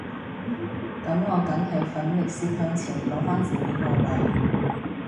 噉我梗係奮力攝向前攞返自己個位